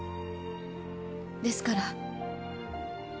ですから。